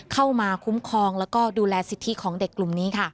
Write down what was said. เข้ามาคุ้มครองแล้วก็ดูแลสิทธิของเด็กกลุ่มนี้ค่ะ